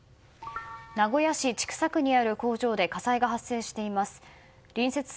名古屋市千種区にある工場で火災が発生しています。